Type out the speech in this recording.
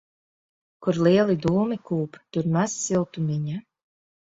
Kur lieli dūmi kūp, tur maz siltumiņa.